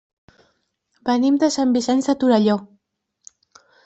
Venim de Sant Vicenç de Torelló.